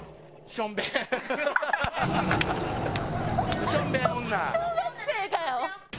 小学生かよ。